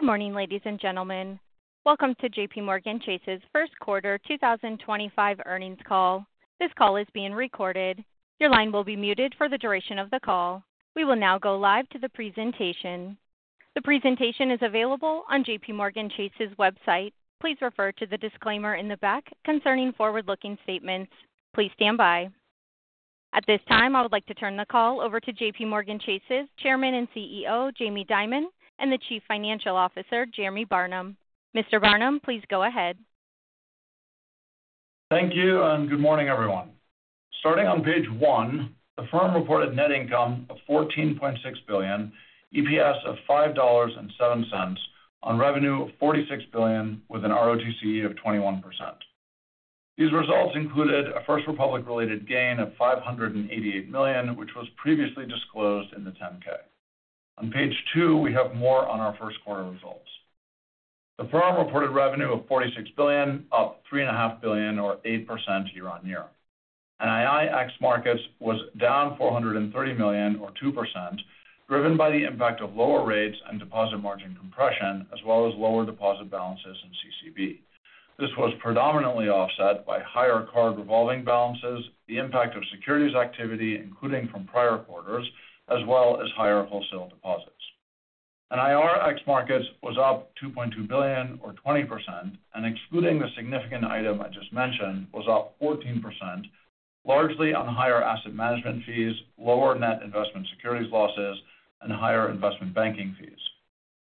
Good morning, ladies and gentlemen. Welcome to JPMorgan Chase's first quarter 2025 earnings call. This call is being recorded. Your line will be muted for the duration of the call. We will now go live to the presentation. The presentation is available on JPMorgan Chase's website. Please refer to the disclaimer in the back concerning forward-looking statements. Please stand by. At this time, I would like to turn the call over to JPMorgan Chase's Chairman and CEO, Jamie Dimon, and the Chief Financial Officer, Jeremy Barnum. Mr. Barnum, please go ahead. Thank you, and good morning, everyone. Starting on page one, the firm reported net income of $14.6 billion, EPS of $5.07, on revenue of $46 billion with an ROTCE of 21%. These results included a First Republic-related gain of $588 million, which was previously disclosed in the 10-K. On page two, we have more on our first quarter results. The firm reported revenue of $46 billion, up $3.5 billion, or 8% year-on-year. NIIx markets was down $430 million, or 2%, driven by the impact of lower rates and deposit margin compression, as well as lower deposit balances in CCB. This was predominantly offset by higher card revolving balances, the impact of securities activity, including from prior quarters, as well as higher wholesale deposits. NIRX Markets was up $2.2 billion, or 20%, and excluding the significant item I just mentioned, was up 14%, largely on higher asset management fees, lower net investment securities losses, and higher investment banking fees.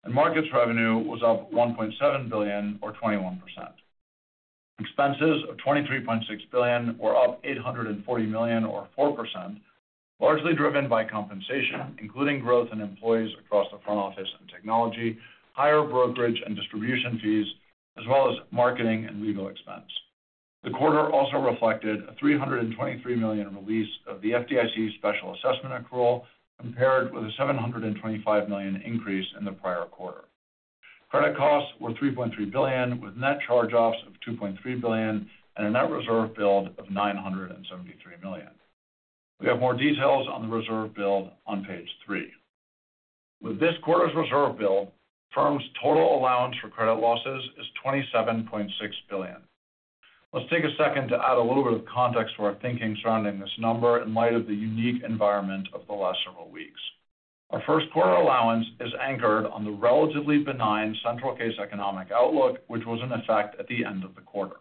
Markets revenue was up $1.7 billion, or 21%. Expenses of $23.6 billion were up $840 million, or 4%, largely driven by compensation, including growth in employees across the front office and technology, higher brokerage and distribution fees, as well as marketing and legal expense. The quarter also reflected a $323 million release of the FDIC Special Assessment Accrual, compared with a $725 million increase in the prior quarter. Credit costs were $3.3 billion, with net charge-offs of $2.3 billion and a net reserve build of $973 million. We have more details on the reserve build on page three. With this quarter's reserve build, the firm's total allowance for credit losses is $27.6 billion. Let's take a second to add a little bit of context to our thinking surrounding this number in light of the unique environment of the last several weeks. Our first quarter allowance is anchored on the relatively benign central case economic outlook, which was in effect at the end of the quarter.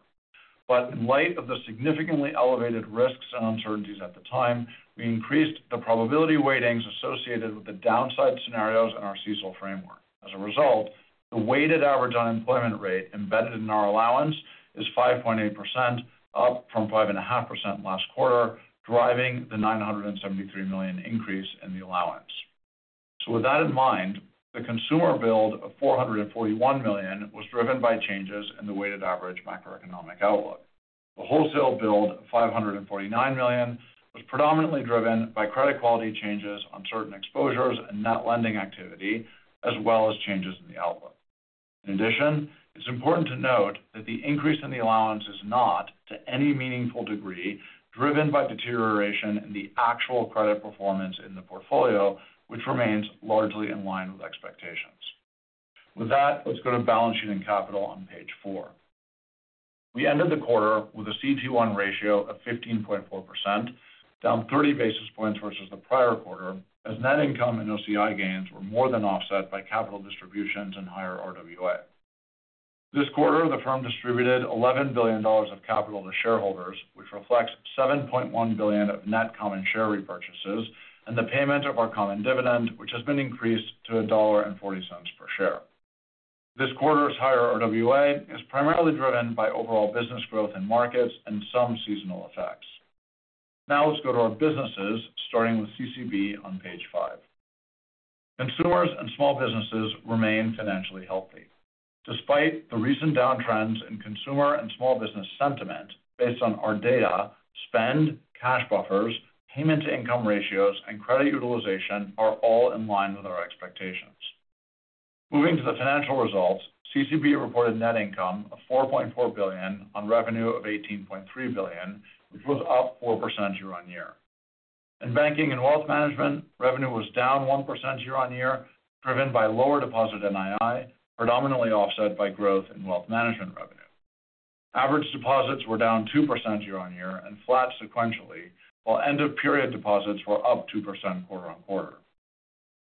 In light of the significantly elevated risks and uncertainties at the time, we increased the probability weightings associated with the downside scenarios in our CSOL Framework. As a result, the weighted average unemployment rate embedded in our allowance is 5.8%, up from 5.5% last quarter, driving the $973 million increase in the allowance. With that in mind, the consumer billed of $441 million was driven by changes in the weighted average macroeconomic outlook. The wholesale billed of $549 million was predominantly driven by credit quality changes on certain exposures and net lending activity, as well as changes in the outlook. In addition, it's important to note that the increase in the allowance is not, to any meaningful degree, driven by deterioration in the actual credit performance in the portfolio, which remains largely in line with expectations. With that, let's go to balance sheet and capital on page four. We ended the quarter with a CET1 ratio of 15.4%, down 30 basis points versus the prior quarter, as net income and OCI gains were more than offset by capital distributions and higher RWA. This quarter, the firm distributed $11 billion of capital to shareholders, which reflects $7.1 billion of net common share repurchases and the payment of our common dividend, which has been increased to $1.40 per share. This quarter's higher RWA is primarily driven by overall business growth in markets and some seasonal effects. Now let's go to our businesses, starting with CCB on page five. Consumers and small businesses remain financially healthy. Despite the recent downtrends in consumer and small business sentiment, based on our data, spend, cash buffers, payment-to-income ratios, and credit utilization are all in line with our expectations. Moving to the financial results, CCB reported net income of $4.4 billion on revenue of $18.3 billion, which was up 4% year-on-year. In banking and wealth management, revenue was down 1% year-on-year, driven by lower deposit NII, predominantly offset by growth in wealth management revenue. Average deposits were down 2% year-on-year and flat sequentially, while end-of-period deposits were up 2% quarter on quarter.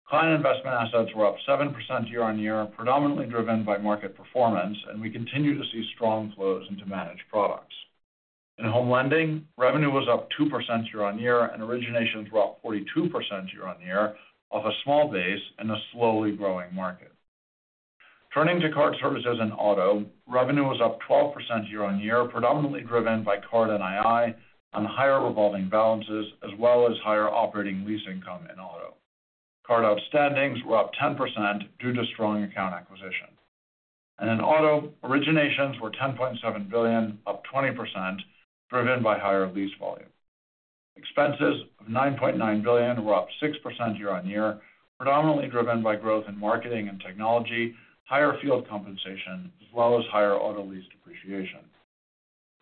Client investment assets were up 7% year-on-year, predominantly driven by market performance, and we continue to see strong flows into managed products. In home lending, revenue was up 2% year-on-year and originations were up 42% year-on-year, off a small base in a slowly growing market. Turning to card services and auto, revenue was up 12% year-on-year, predominantly driven by card NII on higher revolving balances, as well as higher operating lease income in auto. Card outstandings were up 10% due to strong account acquisition. In auto, originations were $10.7 billion, up 20%, driven by higher lease volume. Expenses of $9.9 billion were up 6% year-on-year, predominantly driven by growth in marketing and technology, higher field compensation, as well as higher auto lease depreciation.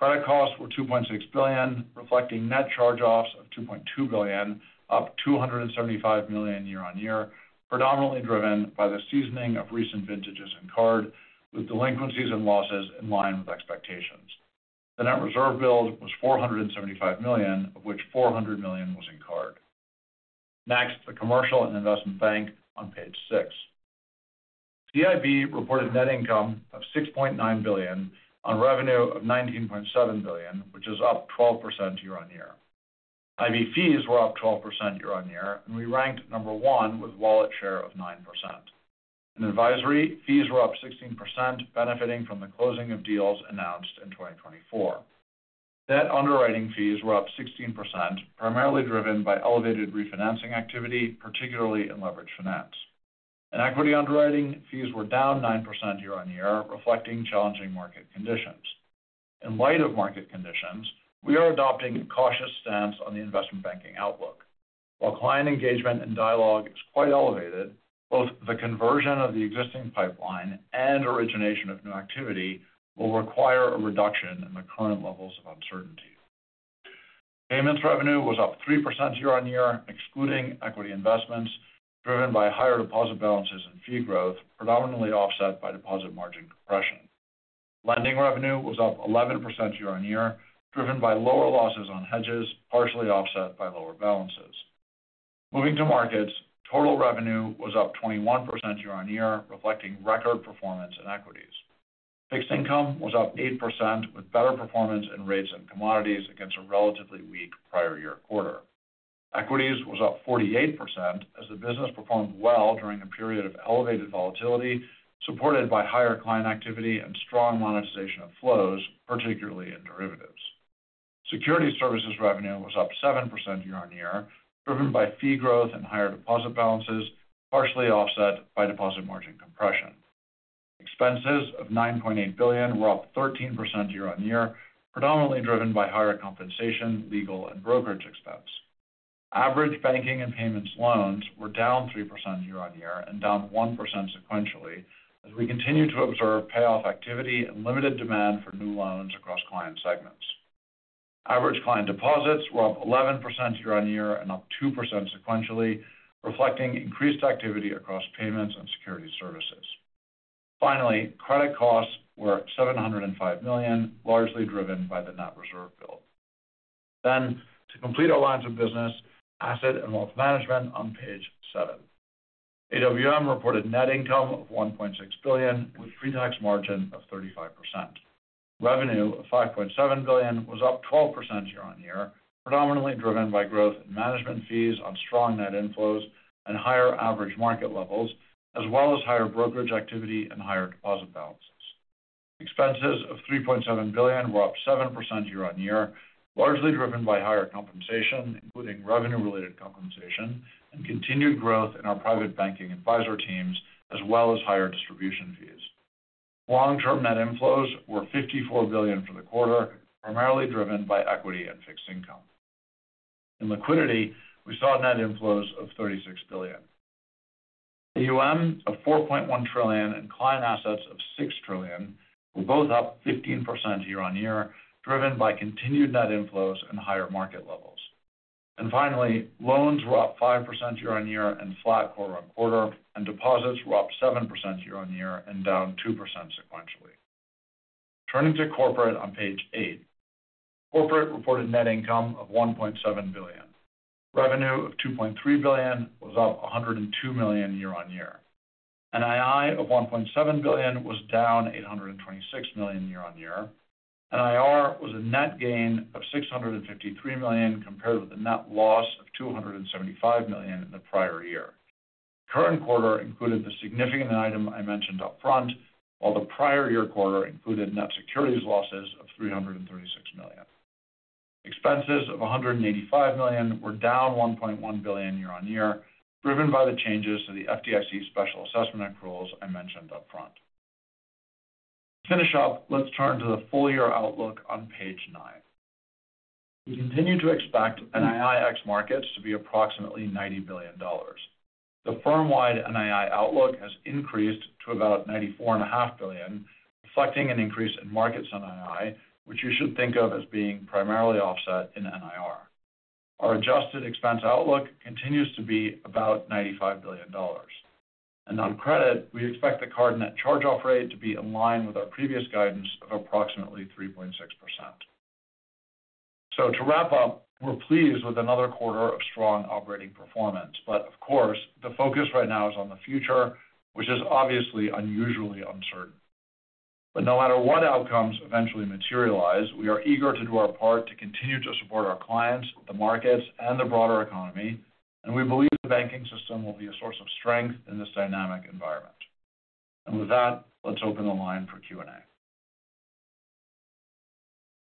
Credit costs were $2.6 billion, reflecting net charge-offs of $2.2 billion, up $275 million year-on-year, predominantly driven by the seasoning of recent vintages in card, with delinquencies and losses in line with expectations. The net reserve billed was $475 million, of which $400 million was in card. Next, the commercial and investment bank on page six. CIB reported net income of $6.9 billion on revenue of $19.7 billion, which is up 12% year-on-year. IV fees were up 12% year-on-year, and we ranked number one with wallet share of 9%. In advisory, fees were up 16%, benefiting from the closing of deals announced in 2024. Debt underwriting fees were up 16%, primarily driven by elevated refinancing activity, particularly in leverage finance. In equity underwriting, fees were down 9% year-on-year, reflecting challenging market conditions. In light of market conditions, we are adopting a cautious stance on the investment banking outlook. While client engagement and dialogue is quite elevated, both the conversion of the existing pipeline and origination of new activity will require a reduction in the current levels of uncertainty. Payments revenue was up 3% year-on-year, excluding equity investments, driven by higher deposit balances and fee growth, predominantly offset by deposit margin compression. Lending revenue was up 11% year-on-year, driven by lower losses on hedges, partially offset by lower balances. Moving to markets, total revenue was up 21% year-on-year, reflecting record performance in equities. Fixed income was up 8%, with better performance in rates and commodities against a relatively weak prior year quarter. Equities was up 48%, as the business performed well during a period of elevated volatility, supported by higher client activity and strong monetization of flows, particularly in derivatives. Security services revenue was up 7% year-on-year, driven by fee growth and higher deposit balances, partially offset by deposit margin compression. Expenses of $9.8 billion were up 13% year-on-year, predominantly driven by higher compensation, legal, and brokerage expense. Average banking and payments loans were down 3% year-on-year and down 1% sequentially, as we continue to observe payoff activity and limited demand for new loans across client segments. Average client deposits were up 11% year-on-year and up 2% sequentially, reflecting increased activity across payments and security services. Finally, credit costs were $705 million, largely driven by the net reserve build. To complete our lines of business, asset and wealth management on page seven. AWM reported net income of $1.6 billion, with pretax margin of 35%. Revenue of $5.7 billion was up 12% year-on-year, predominantly driven by growth in management fees on strong net inflows and higher average market levels, as well as higher brokerage activity and higher deposit balances. Expenses of $3.7 billion were up 7% year-on-year, largely driven by higher compensation, including revenue-related compensation and continued growth in our private banking advisor teams, as well as higher distribution fees. Long-term net inflows were $54 billion for the quarter, primarily driven by equity and fixed income. In liquidity, we saw net inflows of $36 billion. AUM of $4.1 trillion and client assets of $6 trillion were both up 15% year-on-year, driven by continued net inflows and higher market levels. Finally, loans were up 5% year-on-year and flat quarter on quarter, and deposits were up 7% year-on-year and down 2% sequentially. Turning to corporate on page eight, corporate reported net income of $1.7 billion. Revenue of $2.3 billion was up $102 million year-on-year. NII of $1.7 billion was down $826 million year-on-year. NIR was a net gain of $653 million compared with a net loss of $275 million in the prior year. Current quarter included the significant item I mentioned upfront, while the prior year quarter included net securities losses of $336 million. Expenses of $185 million were down $1.1 billion year-on-year, driven by the changes to the FDIC special assessment accruals I mentioned upfront. To finish up, let's turn to the full year outlook on page nine. We continue to expect NIIx markets to be approximately $90 billion. The firm-wide NII outlook has increased to about $94.5 billion, reflecting an increase in markets NII, which you should think of as being primarily offset in NIR. Our adjusted expense outlook continues to be about $95 billion. On credit, we expect the card net charge-off rate to be in line with our previous guidance of approximately 3.6%. To wrap up, we're pleased with another quarter of strong operating performance, but of course, the focus right now is on the future, which is obviously unusually uncertain. No matter what outcomes eventually materialize, we are eager to do our part to continue to support our clients, the markets, and the broader economy, and we believe the banking system will be a source of strength in this dynamic environment. With that, let's open the line for Q&A.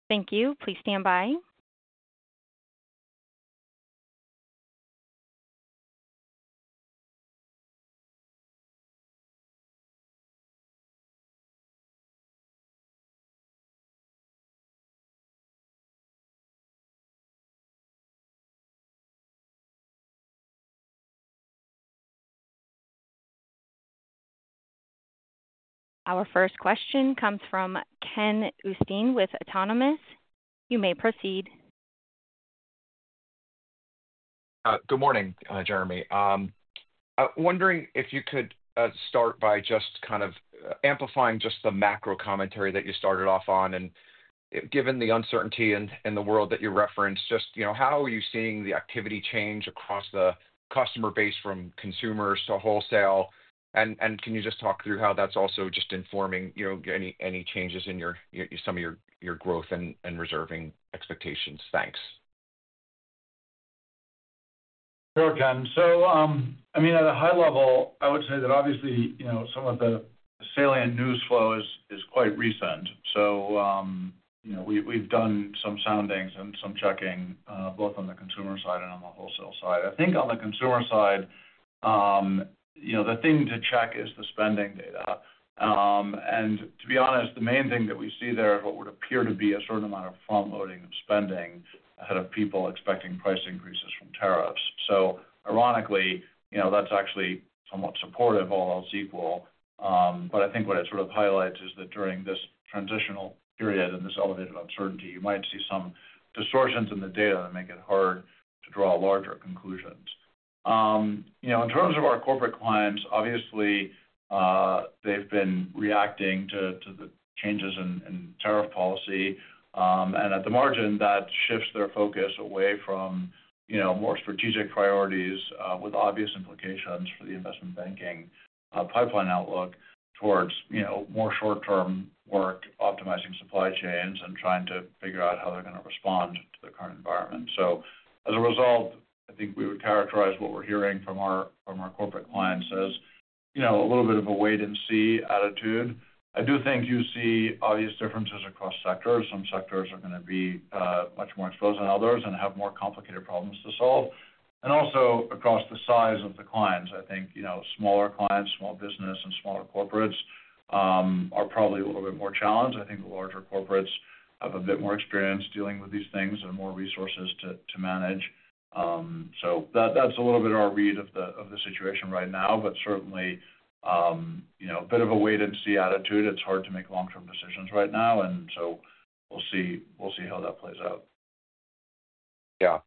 Thank you. Please stand by. Our first question comes from Ken Usdin with Autonomous. You may proceed. Good morning, Jeremy. I'm wondering if you could start by just kind of amplifying just the macro commentary that you started off on. Given the uncertainty in the world that you referenced, just how are you seeing the activity change across the customer base from consumers to wholesale? Can you just talk through how that's also just informing any changes in some of your growth and reserving expectations? Thanks. Sure, Ken. At a high level, I would say that obviously some of the salient news flow is quite recent. We've done some soundings and some checking, both on the consumer side and on the wholesale side. I think on the consumer side, the thing to check is the spending data. To be honest, the main thing that we see there is what would appear to be a certain amount of front-loading of spending ahead of people expecting price increases from tariffs. Ironically, that's actually somewhat supportive, all else equal. I think what it sort of highlights is that during this transitional period and this elevated uncertainty, you might see some distortions in the data that make it hard to draw larger conclusions. In terms of our corporate clients, obviously, they've been reacting to the changes in tariff policy. At the margin, that shifts their focus away from more strategic priorities, with obvious implications for the investment banking pipeline outlook towards more short-term work, optimizing supply chains and trying to figure out how they're going to respond to the current environment. As a result, I think we would characterize what we're hearing from our corporate clients as a little bit of a wait-and-see attitude. I do think you see obvious differences across sectors. Some sectors are going to be much more exposed than others and have more complicated problems to solve. Also across the size of the clients, I think smaller clients, small business, and smaller corporates are probably a little bit more challenged. I think the larger corporates have a bit more experience dealing with these things and more resources to manage. That is a little bit of our read of the situation right now, but certainly a bit of a wait-and-see attitude. It is hard to make long-term decisions right now, and we will see how that plays out. Yeah.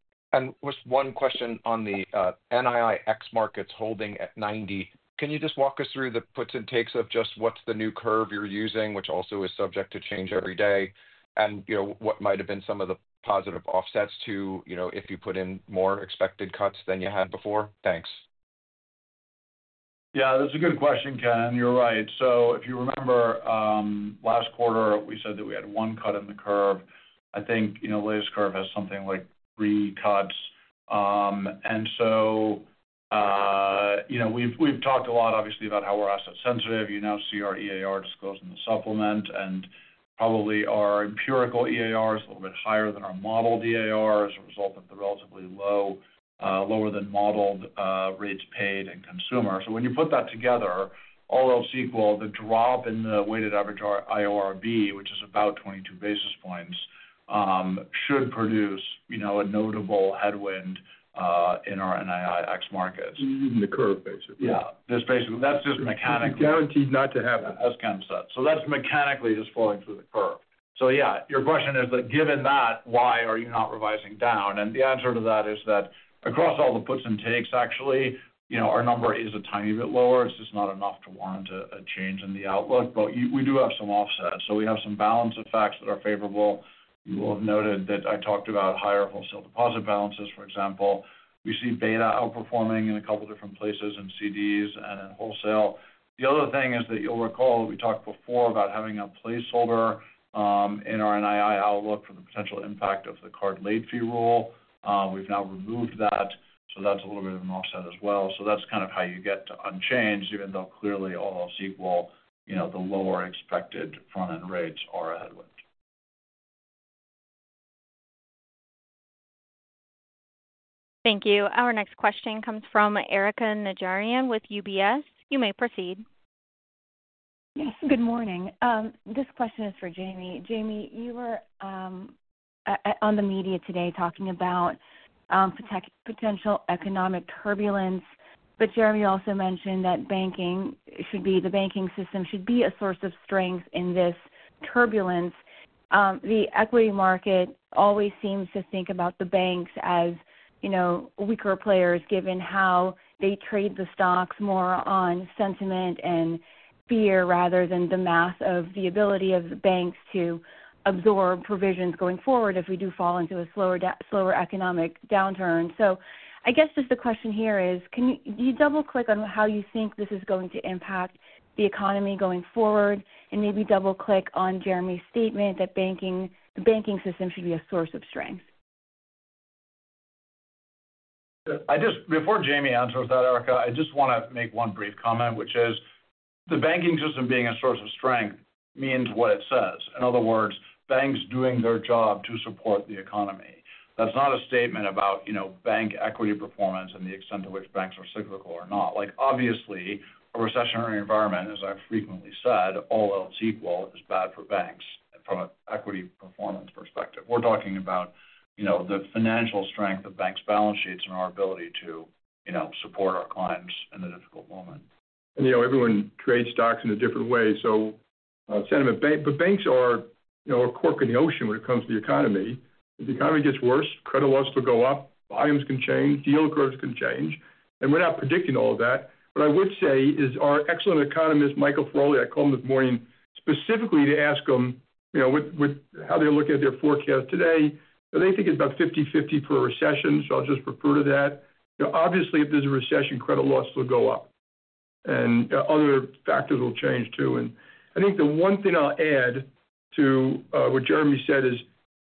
Just one question on the NIIx markets holding at 90. Can you walk us through the puts and takes of just what is the new curve you are using, which also is subject to change every day, and what might have been some of the positive offsets to if you put in more expected cuts than you had before? Thanks. Yeah, that is a good question, Ken. You are right. If you remember last quarter, we said that we had one cut in the curve. I think the latest curve has something like three cuts. We have talked a lot, obviously, about how we are asset sensitive. You now see our EAR disclosed in the supplement, and probably our empirical EAR is a little bit higher than our modeled EAR as a result of the relatively lower-than-modeled rates paid in consumer. When you put that together, all else equal, the drop in the weighted average IORB, which is about 22 basis points, should produce a notable headwind in our NIIx markets. This is in the curve, basically. Yeah. That is just mechanically. It is guaranteed not to happen. That is getting set. That is mechanically just falling through the curve. Yeah, your question is that given that, why are you not revising down? The answer to that is that across all the puts and takes, actually, our number is a tiny bit lower. It is just not enough to warrant a change in the outlook, but we do have some offset. We have some balance effects that are favorable. You will have noted that I talked about higher wholesale deposit balances, for example. We see beta outperforming in a couple of different places in CDs and in wholesale. The other thing is that you will recall that we talked before about having a placeholder in our NII outlook for the potential impact of the card late fee rule. We have now removed that, so that is a little bit of an offset as well. That is kind of how you get to unchanged, even though clearly all else equal, the lower expected front-end rates are a headwind. Thank you. Our next question comes from Erika Najarian with UBS. You may proceed. Yes. Good morning. This question is for Jamie. Jamie, you were on the media today talking about potential economic turbulence, but Jeremy also mentioned that banking should be the banking system should be a source of strength in this turbulence. The equity market always seems to think about the banks as weaker players, given how they trade the stocks more on sentiment and fear rather than the math of the ability of the banks to absorb provisions going forward if we do fall into a slower economic downturn. I guess just the question here is, can you double-click on how you think this is going to impact the economy going forward and maybe double-click on Jeremy's statement that the banking system should be a source of strength? Before Jamie answers that, Erica, I just want to make one brief comment, which is the banking system being a source of strength means what it says. In other words, banks doing their job to support the economy. That is not a statement about bank equity performance and the extent to which banks are cyclical or not. Obviously, a recessionary environment, as I have frequently said, all else equal, is bad for banks from an equity performance perspective. We are talking about the financial strength of banks' balance sheets and our ability to support our clients in a difficult moment. Everyone trades stocks in a different way. Sentiment, but banks are a cork in the ocean when it comes to the economy. If the economy gets worse, credit wants to go up, volumes can change, deal curves can change. We are not predicting all of that. What I would say is our excellent economist, Michael Feroli, I called him this morning specifically to ask him how they're looking at their forecast today. They think it's about 50/50 for a recession, so I'll just refer to that. Obviously, if there's a recession, credit loss will go up. Other factors will change too. I think the one thing I'll add to what Jeremy said is,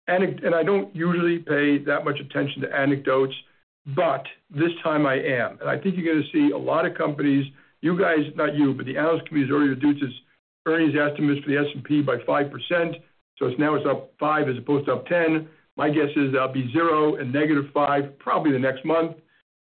I don't usually pay that much attention to anecdotes, but this time I am. I think you're going to see a lot of companies—you guys, not you, but the analyst committee has already reduced its earnings estimates for the S&P by 5%. Now it's up 5% as opposed to up 10%. My guess is that'll be 0% and negative 5% probably the next month.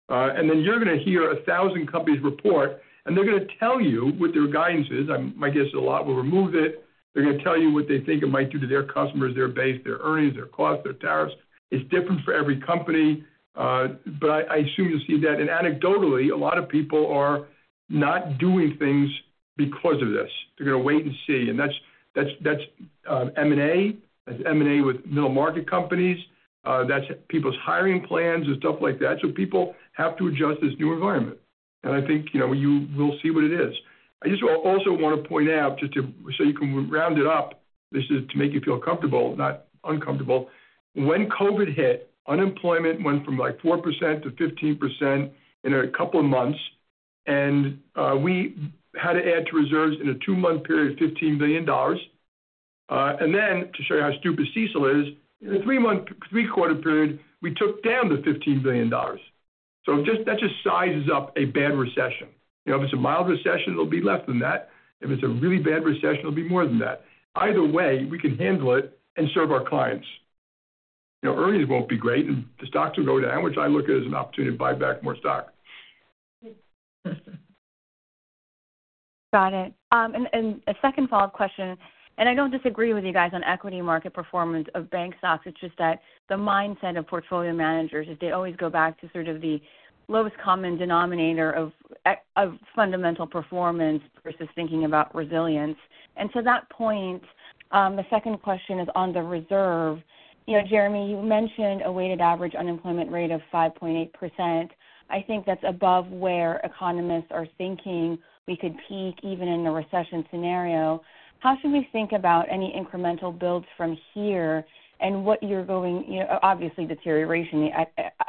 You are going to hear 1,000 companies report, and they are going to tell you what their guidance is. My guess is a lot will remove it. They are going to tell you what they think it might do to their customers, their base, their earnings, their costs, their tariffs. It is different for every company. I assume you will see that. Anecdotally, a lot of people are not doing things because of this. They are going to wait and see. That is M&A. That is M&A with middle market companies. That is people's hiring plans and stuff like that. People have to adjust to this new environment. I think you will see what it is. I just also want to point out, just so you can round it up, this is to make you feel comfortable, not uncomfortable. When COVID hit, unemployment went from like 4% to 15% in a couple of months. We had to add to reserves in a two-month period, $15 billion. To show you how stupid CECL is, in a three-quarter period, we took down the $15 billion. That just sizes up a bad recession. If it is a mild recession, it will be less than that. If it is a really bad recession, it will be more than that. Either way, we can handle it and serve our clients. Earnings will not be great, and the stocks will go down, which I look at as an opportunity to buy back more stock. Got it. A second follow-up question. I do not disagree with you guys on equity market performance of bank stocks. It's just that the mindset of portfolio managers is they always go back to sort of the lowest common denominator of fundamental performance versus thinking about resilience. To that point, the second question is on the reserve. Jeremy, you mentioned a weighted average unemployment rate of 5.8%. I think that's above where economists are thinking we could peak even in a recession scenario. How should we think about any incremental builds from here and what you're going—obviously, deterioration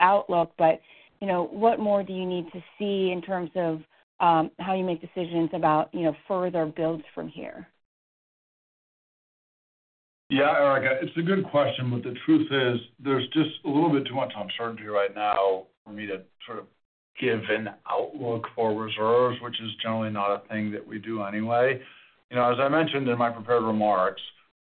outlook—but what more do you need to see in terms of how you make decisions about further builds from here? Yeah, Erika, it's a good question, but the truth is there's just a little bit too much uncertainty right now for me to sort of give an outlook for reserves, which is generally not a thing that we do anyway. As I mentioned in my prepared remarks,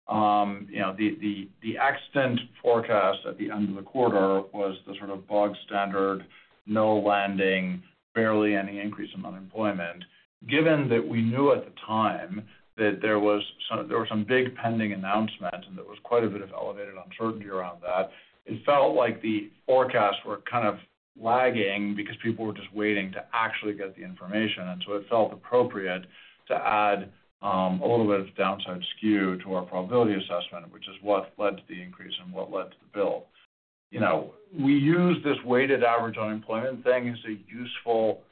the accident forecast at the end of the quarter was the sort of bog standard no landing, barely any increase in unemployment. Given that we knew at the time that there were some big pending announcements and there was quite a bit of elevated uncertainty around that, it felt like the forecasts were kind of lagging because people were just waiting to actually get the information. It felt appropriate to add a little bit of downside skew to our probability assessment, which is what led to the increase and what led to the build. We use this weighted average unemployment thing as a useful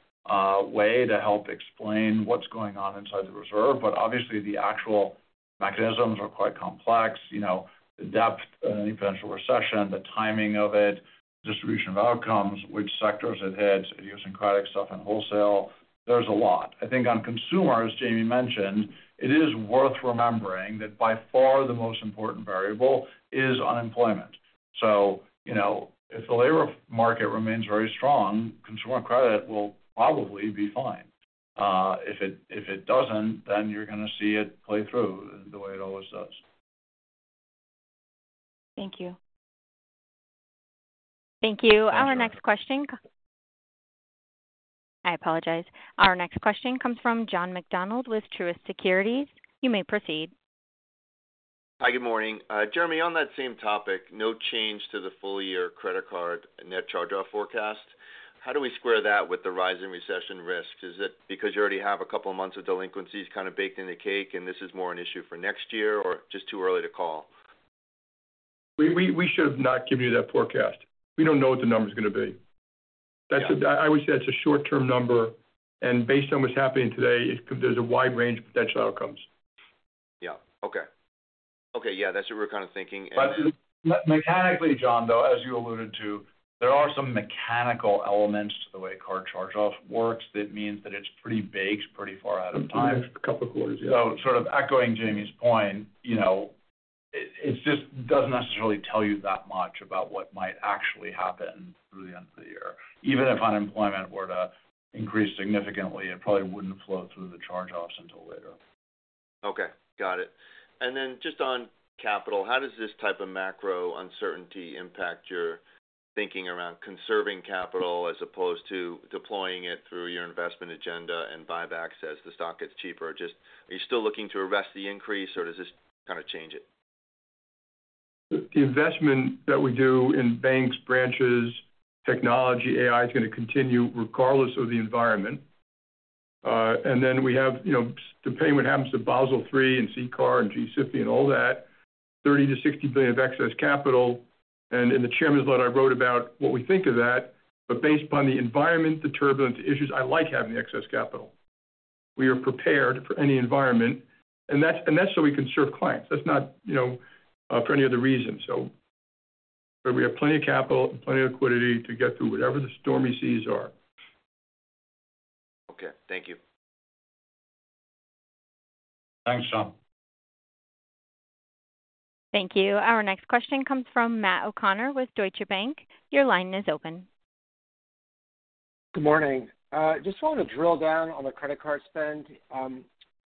way to help explain what's going on inside the reserve. Obviously, the actual mechanisms are quite complex. The depth of any potential recession, the timing of it, the distribution of outcomes, which sectors it hits, idiosyncratic stuff in wholesale, there's a lot. I think on consumers, Jamie mentioned, it is worth remembering that by far the most important variable is unemployment. If the labor market remains very strong, consumer credit will probably be fine. If it doesn't, then you're going to see it play through the way it always does. Thank you. Thank you. Our next question—I apologize. Our next question comes from John McDonald with Truist Securities. You may proceed. Hi, good morning. Jeremy, on that same topic, no change to the full-year credit card net charge-off forecast. How do we square that with the rising recession risk? Is it because you already have a couple of months of delinquencies kind of baked in the cake, and this is more an issue for next year, or just too early to call? We should have not given you that forecast. We do not know what the number's going to be. I would say that's a short-term number. Based on what's happening today, there's a wide range of potential outcomes. Yeah. Okay. Okay. Yeah, that's what we're kind of thinking. Mechanically, John, though, as you alluded to, there are some mechanical elements to the way card charge-off works that means that it's pretty baked, pretty far out of time. Yeah, a couple of quarters, yeah. Sort of echoing Jamie's point, it just does not necessarily tell you that much about what might actually happen through the end of the year. Even if unemployment were to increase significantly, it probably wouldn't flow through the charge-offs until later. Okay. Got it. Just on capital, how does this type of macro uncertainty impact your thinking around conserving capital as opposed to deploying it through your investment agenda and buybacks as the stock gets cheaper? Just are you still looking to arrest the increase, or does this kind of change it? The investment that we do in banks, branches, technology, AI is going to continue regardless of the environment. We have to pay what happens to Basel III and CCAR and G-SIFI and all that, $30 billion-$60 billion of excess capital. In the Chairman's letter, I wrote about what we think of that. Based upon the environment, the turbulence, the issues, I like having the excess capital. We are prepared for any environment. That's so we can serve clients. That's not for any other reason. We have plenty of capital and plenty of liquidity to get through whatever the stormy seas are. Okay. Thank you. Thanks, John. Thank you. Our next question comes from Matt O'Connor with Deutsche Bank. Your line is open. Good morning. Just want to drill down on the credit card spend.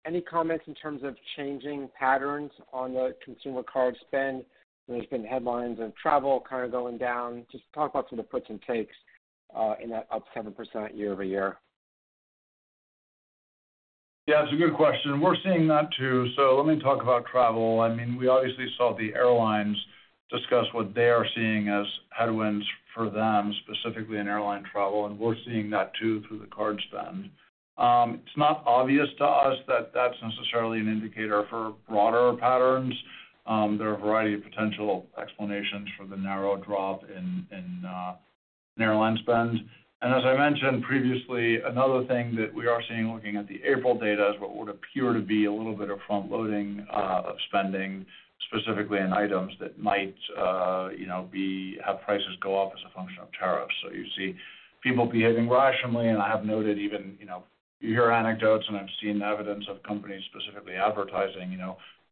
Any comments in terms of changing patterns on the consumer card spend? There's been headlines of travel kind of going down. Just talk about some of the puts and takes in that up 7% year over year. Yeah, it's a good question. We're seeing that too. Let me talk about travel. I mean, we obviously saw the airlines discuss what they are seeing as headwinds for them, specifically in airline travel. We're seeing that too through the card spend. It's not obvious to us that that's necessarily an indicator for broader patterns. There are a variety of potential explanations for the narrow drop in airline spend. As I mentioned previously, another thing that we are seeing looking at the April data is what would appear to be a little bit of front-loading of spending, specifically in items that might have prices go up as a function of tariffs. You see people behaving rationally. I have noted even you hear anecdotes, and I've seen evidence of companies specifically advertising,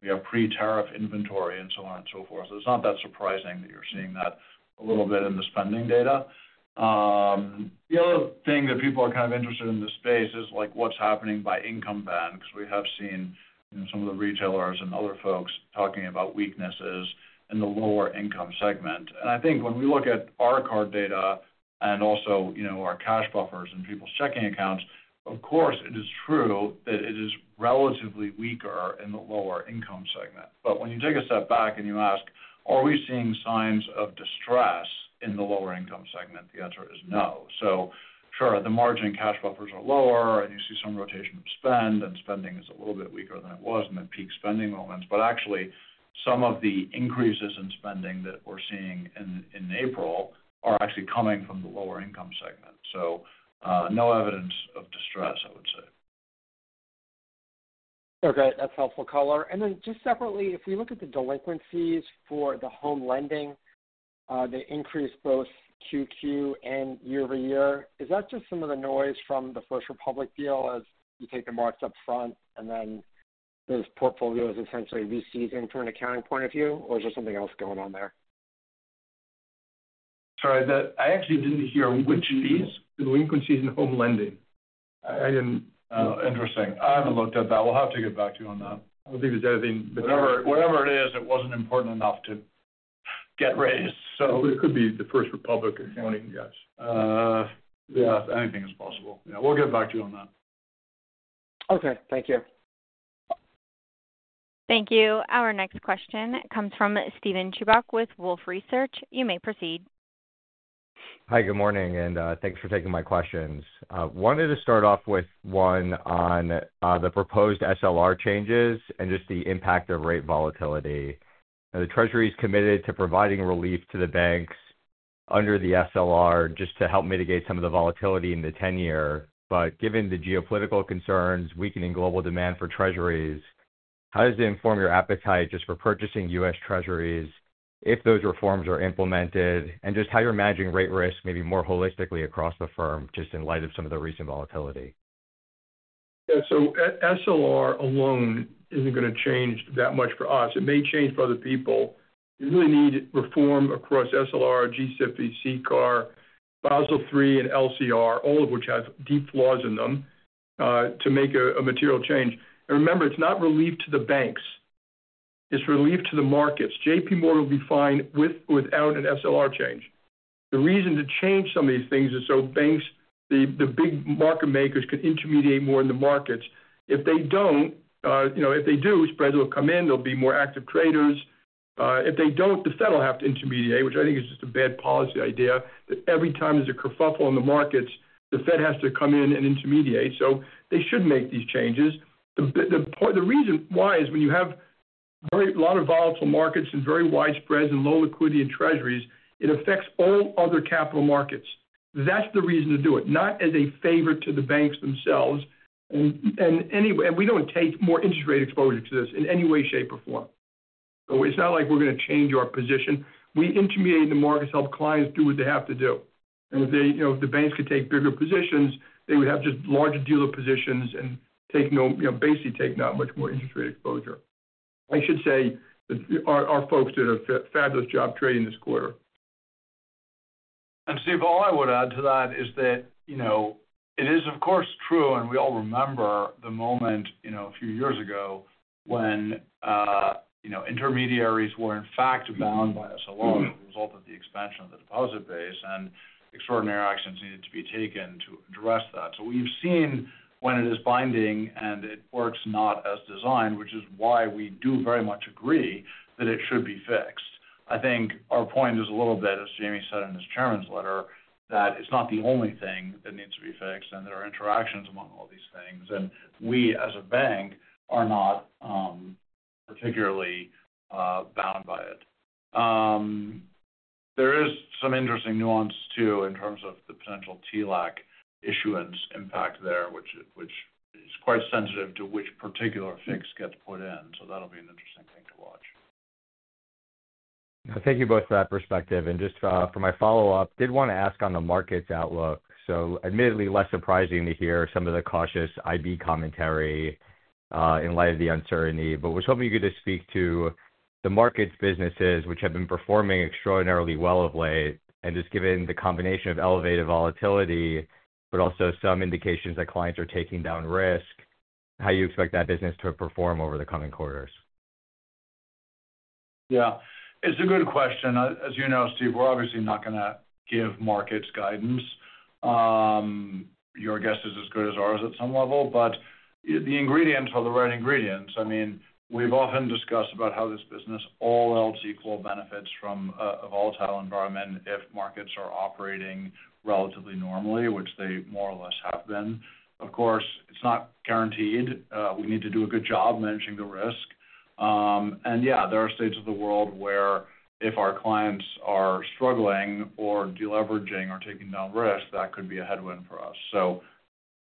"We have pre-tariff inventory," and so on and so forth. It's not that surprising that you're seeing that a little bit in the spending data. The other thing that people are kind of interested in this space is what's happening by income band because we have seen some of the retailers and other folks talking about weaknesses in the lower income segment. I think when we look at our card data and also our cash buffers and people's checking accounts, of course, it is true that it is relatively weaker in the lower income segment. When you take a step back and you ask, "Are we seeing signs of distress in the lower income segment?" the answer is no. Sure, the margin cash buffers are lower, and you see some rotation of spend, and spending is a little bit weaker than it was in the peak spending moments. Actually, some of the increases in spending that we're seeing in April are actually coming from the lower income segment. No evidence of distress, I would say. Okay. That's helpful, color. Just separately, if we look at the delinquencies for the home lending, the increase both QQ and year over year, is that just some of the noise from the First Republic deal as you take the marks up front and then those portfolios essentially reseason from an accounting point of view, or is there something else going on there? Sorry, I actually didn't hear which of these. The delinquencies and home lending. I didn't. Interesting. I haven't looked at that. We'll have to get back to you on that. I don't think there's anything between. Whatever it is, it wasn't important enough to get raised. It could be the First Republic accounting, yes. Anything is possible. We'll get back to you on that. Okay. Thank you. Thank you. Our next question comes from Steven Chubak with Wolfe Research. You may proceed. Hi, good morning, and thanks for taking my questions. Wanted to start off with one on the proposed SLR changes and just the impact of rate volatility. The Treasury is committed to providing relief to the banks under the SLR just to help mitigate some of the volatility in the 10-year. Given the geopolitical concerns, weakening global demand for Treasuries, how does it inform your appetite just for purchasing U.S. Treasuries if those reforms are implemented? Just how you're managing rate risk maybe more holistically across the firm in light of some of the recent volatility. Yeah, SLR alone isn't going to change that much for us. It may change for other people. You really need reform across SLR, GCIB, CCAR, Basel III, and LCR, all of which have deep flaws in them to make a material change. Remember, it's not relief to the banks. It's relief to the markets. JPMorgan will be fine with or without an SLR change. The reason to change some of these things is so banks, the big market makers, can intermediate more in the markets. If they do, spreads will come in. There will be more active traders. If they do not, the Fed will have to intermediate, which I think is just a bad policy idea that every time there is a kerfuffle in the markets, the Fed has to come in and intermediate. They should make these changes. The reason why is when you have a lot of volatile markets and very wide spreads and low liquidity in Treasuries, it affects all other capital markets. That is the reason to do it, not as a favor to the banks themselves. We do not take more interest rate exposure to this in any way, shape, or form. It is not like we are going to change our position. We intermediate in the markets, help clients do what they have to do. If the banks could take bigger positions, they would have just a larger deal of positions and basically take not much more interest rate exposure. I should say our folks did a fabulous job trading this quarter. Steve, all I would add to that is that it is, of course, true, and we all remember the moment a few years ago when intermediaries were, in fact, bound by SLR as a result of the expansion of the deposit base and extraordinary actions needed to be taken to address that. We have seen when it is binding and it works not as designed, which is why we do very much agree that it should be fixed. I think our point is a little bit, as Jamie said in his Chairman's letter, that it is not the only thing that needs to be fixed and there are interactions among all these things. We, as a bank, are not particularly bound by it. There is some interesting nuance too in terms of the potential TLAC issuance impact there, which is quite sensitive to which particular fix gets put in. That will be an interesting thing to watch. Thank you both for that perspective. Just for my follow-up, did want to ask on the markets outlook. Admittedly, less surprising to hear some of the cautious IB commentary in light of the uncertainty, but was hoping you could speak to the markets businesses which have been performing extraordinarily well of late and just given the combination of elevated volatility, but also some indications that clients are taking down risk, how you expect that business to perform over the coming quarters. Yeah. It's a good question. As you know, Steve, we're obviously not going to give markets guidance. Your guess is as good as ours at some level. The ingredients are the right ingredients. I mean, we've often discussed about how this business all else equal benefits from a volatile environment if markets are operating relatively normally, which they more or less have been. Of course, it's not guaranteed. We need to do a good job managing the risk. Yeah, there are states of the world where if our clients are struggling or deleveraging or taking down risk, that could be a headwind for us.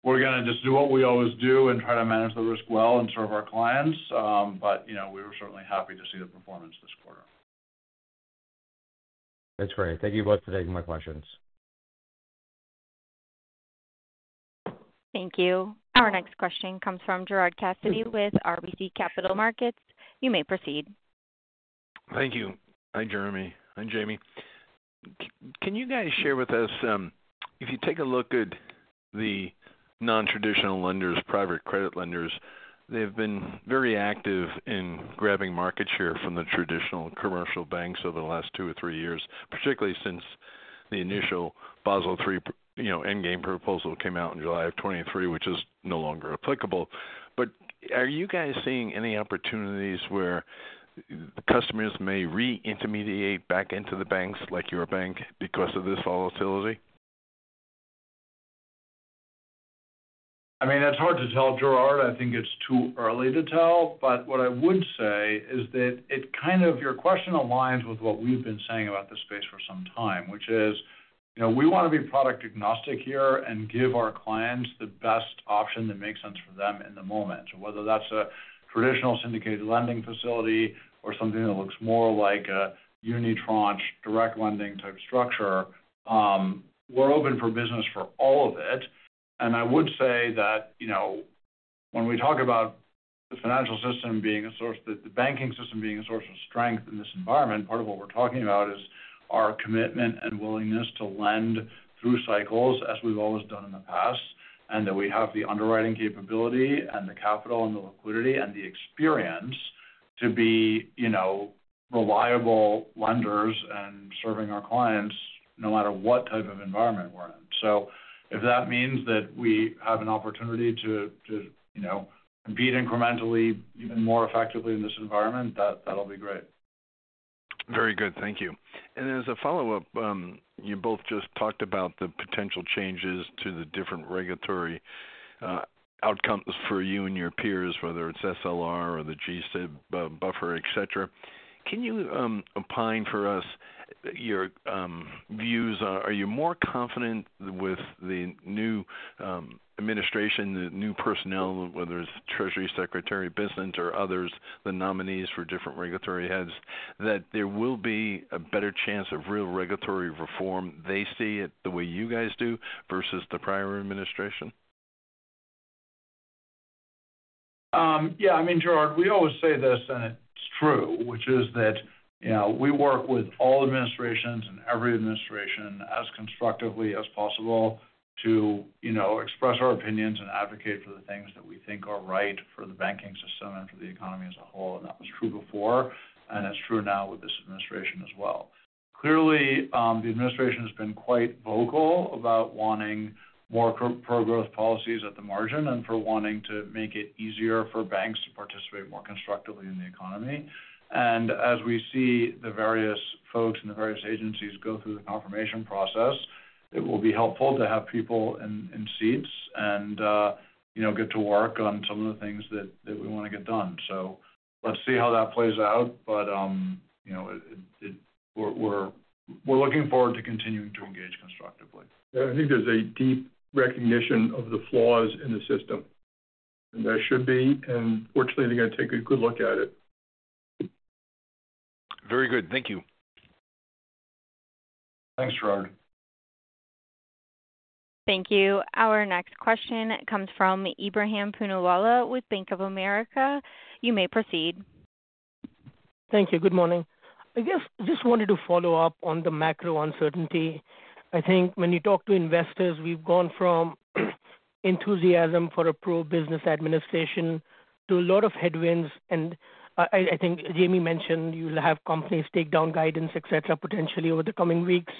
We are going to just do what we always do and try to manage the risk well and serve our clients. We were certainly happy to see the performance this quarter. That's great. Thank you both for taking my questions. Thank you. Our next question comes from Gerard Cassidy with RBC Capital Markets. You may proceed. Thank you. Hi, Jeremy. Hi, Jamie. Can you guys share with us, if you take a look at the non-traditional lenders, private credit lenders, they've been very active in grabbing market share from the traditional commercial banks over the last two or three years, particularly since the initial Basel III endgame proposal came out in July of 2023, which is no longer applicable. Are you guys seeing any opportunities where customers may re-intermediate back into the banks like your bank because of this volatility? I mean, it's hard to tell, Gerard. I think it's too early to tell. What I would say is that your question aligns with what we've been saying about the space for some time, which is we want to be product agnostic here and give our clients the best option that makes sense for them in the moment. Whether that's a traditional syndicated lending facility or something that looks more like a uni-tranche direct lending type structure, we're open for business for all of it. I would say that when we talk about the financial system being a source, the banking system being a source of strength in this environment, part of what we're talking about is our commitment and willingness to lend through cycles as we've always done in the past and that we have the underwriting capability and the capital and the liquidity and the experience to be reliable lenders and serving our clients no matter what type of environment we're in. If that means that we have an opportunity to compete incrementally, even more effectively in this environment, that'll be great. Very good. Thank you. As a follow-up, you both just talked about the potential changes to the different regulatory outcomes for you and your peers, whether it's SLR or the GCIB buffer, etc. Can you opine for us your views? Are you more confident with the new administration, the new personnel, whether it's Treasury Secretary, business, or others, the nominees for different regulatory heads, that there will be a better chance of real regulatory reform? They see it the way you guys do versus the prior administration? Yeah. I mean, Gerard, we always say this, and it's true, which is that we work with all administrations and every administration as constructively as possible to express our opinions and advocate for the things that we think are right for the banking system and for the economy as a whole. That was true before, and it's true now with this administration as well. Clearly, the administration has been quite vocal about wanting more pro-growth policies at the margin and for wanting to make it easier for banks to participate more constructively in the economy. As we see the various folks and the various agencies go through the confirmation process, it will be helpful to have people in seats and get to work on some of the things that we want to get done. Let's see how that plays out. We are looking forward to continuing to engage constructively. I think there is a deep recognition of the flaws in the system, and there should be. Fortunately, they are going to take a good look at it. Very good. Thank you. Thanks, Gerard. Thank you. Our next question comes from Ebrahim Poonawala with Bank of America. You may proceed. Thank you. Good morning. I guess I just wanted to follow up on the macro uncertainty. I think when you talk to investors, we've gone from enthusiasm for a pro-business administration to a lot of headwinds. I think Jamie mentioned you'll have companies take down guidance, etc., potentially over the coming weeks.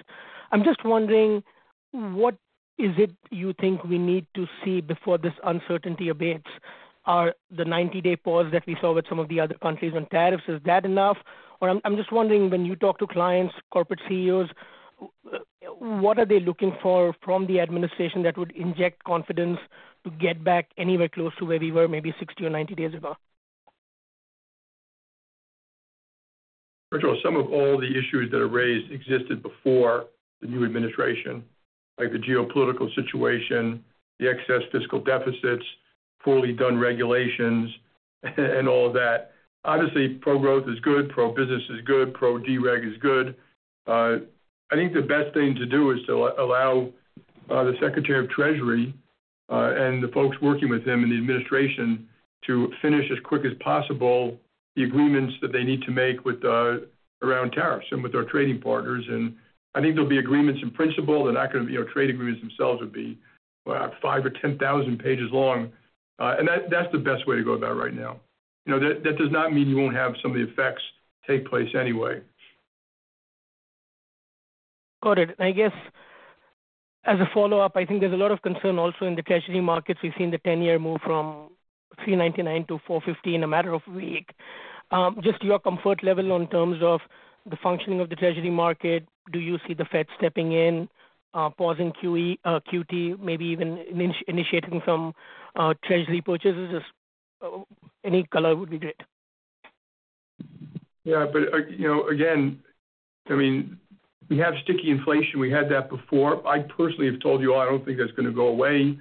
I'm just wondering, what is it you think we need to see before this uncertainty abates? Are the 90-day pause that we saw with some of the other countries on tariffs, is that enough? I'm just wondering, when you talk to clients, corporate CEOs, what are they looking for from the administration that would inject confidence to get back anywhere close to where we were maybe 60 or 90 days ago? Some of all the issues that are raised existed before the new administration, like the geopolitical situation, the excess fiscal deficits, poorly done regulations, and all of that. Obviously, pro-growth is good, pro-business is good, pro-DREG is good. I think the best thing to do is to allow the Secretary of Treasury and the folks working with him in the administration to finish as quick as possible the agreements that they need to make around tariffs and with our trading partners. I think there will be agreements in principle. They are not going to be trade agreements themselves, which would be 5,000 or 10,000 pages long. That is the best way to go about it right now. That does not mean you will not have some of the effects take place anyway. Got it. I guess as a follow-up, I think there is a lot of concern also in the Treasury markets. We have seen the 10-year move from 399-450 in a matter of weeks. Just your comfort level in terms of the functioning of the Treasury market, do you see the Fed stepping in, pausing QT, maybe even initiating some Treasury purchases? Any color would be great. Yeah. Again, I mean, we have sticky inflation. We had that before. I personally have told you all I don't think that's going to go away.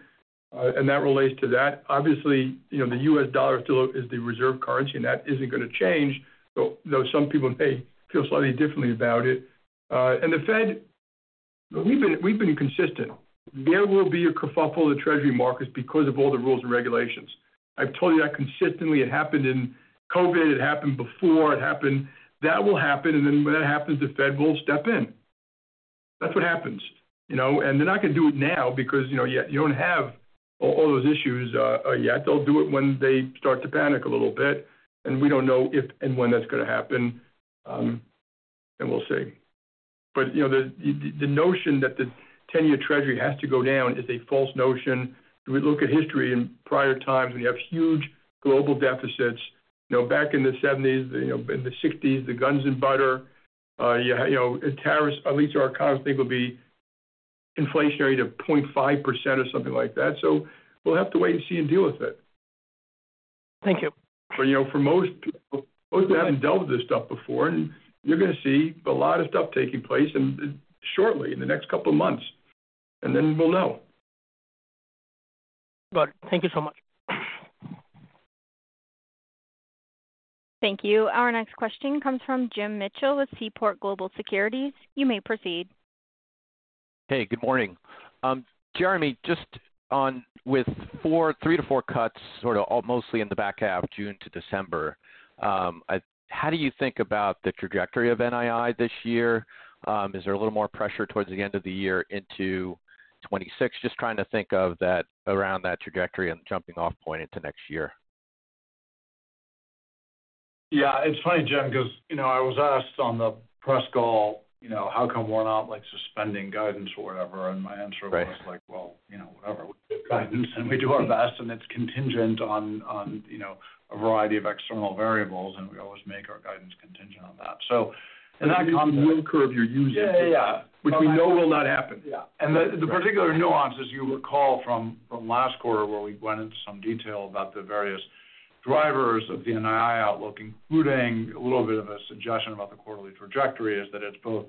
That relates to that. Obviously, the U.S. dollar still is the reserve currency, and that isn't going to change. Though some people may feel slightly differently about it. The Fed, we've been consistent. There will be a kerfuffle in the Treasury markets because of all the rules and regulations. I've told you that consistently. It happened in COVID. It happened before. It happened. That will happen. When that happens, the Fed will step in. That's what happens. They're not going to do it now because you do not have all those issues yet. They will do it when they start to panic a little bit. We do not know if and when that is going to happen. We will see. The notion that the 10-year Treasury has to go down is a false notion. We look at history and prior times when you have huge global deficits. Back in the 1970s, in the 1960s, the guns and butter, tariffs at least our economists think will be inflationary to 0.5% or something like that. We will have to wait and see and deal with it. Thank you. For most, most of them have not dealt with this stuff before. You are going to see a lot of stuff taking place shortly in the next couple of months. Then we will know. Got it. Thank you so much. Thank you. Our next question comes from Jim Mitchell with Seaport Global Securities. You may proceed. Hey, good morning. Jeremy, just on with three to four cuts sort of mostly in the back half, June to December, how do you think about the trajectory of NII this year? Is there a little more pressure towards the end of the year into 2026? Just trying to think of that around that trajectory and jumping off point into next year. Yeah. It's funny, Jim, because I was asked on the press call, "How come we're not suspending guidance or whatever?" My answer was like, "Well, whatever. We do guidance, and we do our best, and it's contingent on a variety of external variables. We always make our guidance contingent on that." In that context, the curve you're using today, which we know will not happen. Yeah. The particular nuances, you recall from last quarter where we went into some detail about the various drivers of the NII outlook, including a little bit of a suggestion about the quarterly trajectory, is that it is both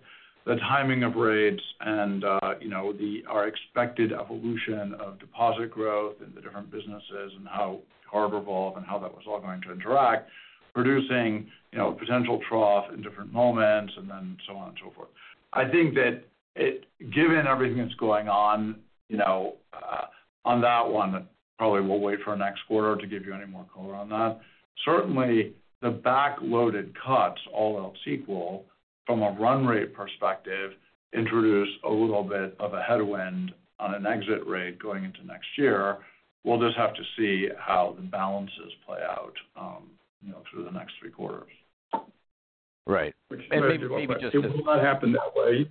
the timing of rates and our expected evolution of deposit growth and the different businesses and how Harbor evolved and how that was all going to interact, producing a potential trough in different moments and then so on and so forth. I think that given everything that is going on on that one, probably we will wait for next quarter to give you any more color on that. Certainly, the backloaded cuts, all else equal, from a run rate perspective, introduce a little bit of a headwind on an exit rate going into next year. We will just have to see how the balances play out through the next three quarters. Right. Maybe just. It will not happen that way.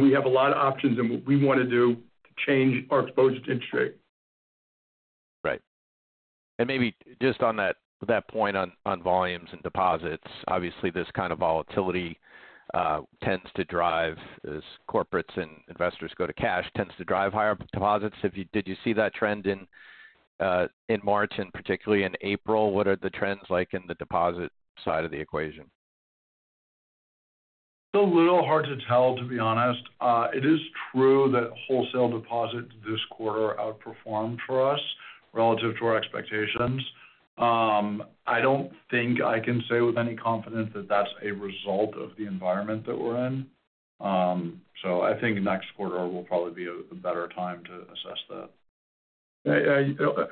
We have a lot of options, and we want to do to change our exposure to interest rate. Right. Maybe just on that point on volumes and deposits, obviously, this kind of volatility tends to drive as corporates and investors go to cash, tends to drive higher deposits. Did you see that trend in March and particularly in April? What are the trends like in the deposit side of the equation? It is a little hard to tell, to be honest. It is true that wholesale deposits this quarter outperformed for us relative to our expectations. I do not think I can say with any confidence that that is a result of the environment that we are in. I think next quarter will probably be a better time to assess that.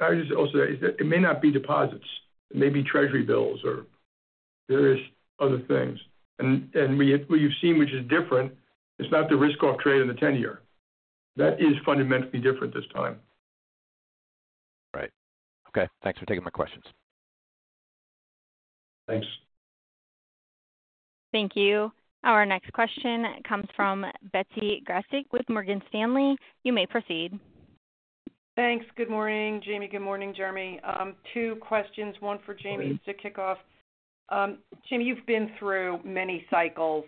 I would just also say it may not be deposits. It may be Treasury bills or various other things. What you've seen, which is different, it's not the risk-off trade in the 10-year. That is fundamentally different this time. Right. Okay. Thanks for taking my questions. Thanks. Thank you. Our next question comes from Betsy Graseck with Morgan Stanley. You may proceed. Thanks. Good morning. Jamie, good morning. Jeremy. Two questions. One for Jamie to kick off. Jamie, you've been through many cycles.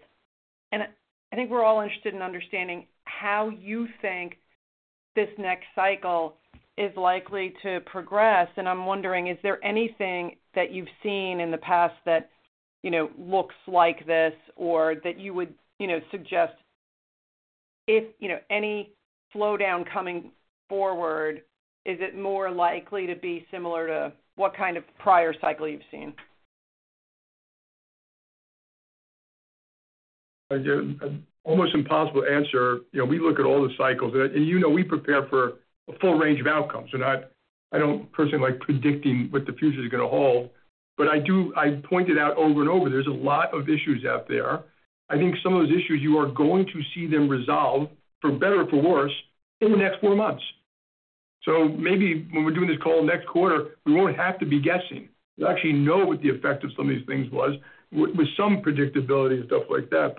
I think we're all interested in understanding how you think this next cycle is likely to progress. I'm wondering, is there anything that you've seen in the past that looks like this or that you would suggest if any slowdown coming forward, is it more likely to be similar to what kind of prior cycle you've seen? Almost impossible to answer. We look at all the cycles. We prepare for a full range of outcomes. I don't personally like predicting what the future is going to hold. I pointed out over and over, there's a lot of issues out there. I think some of those issues, you are going to see them resolve, for better or for worse, in the next four months. Maybe when we're doing this call next quarter, we won't have to be guessing. We'll actually know what the effect of some of these things was with some predictability and stuff like that.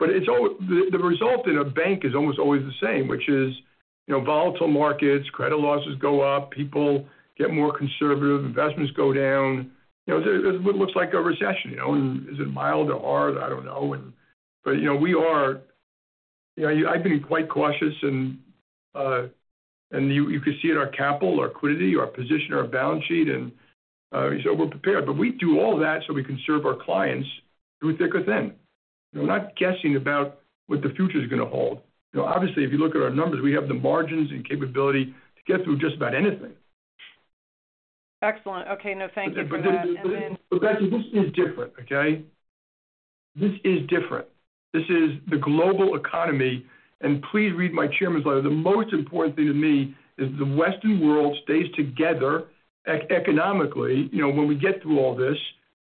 The result in a bank is almost always the same, which is volatile markets, credit losses go up, people get more conservative, investments go down. It looks like a recession. Is it mild or hard? I don't know. I have been quite cautious. You can see it in our capital, our equity, our position, our balance sheet. We are prepared. We do all that so we can serve our clients through thick or thin, not guessing about what the future is going to hold. Obviously, if you look at our numbers, we have the margins and capability to get through just about anything. Excellent. Okay. No, thank you. Betsy, this is different. This is different. This is the global economy. Please read my chairman's letter. The most important thing to me is the Western world stays together economically when we get through all this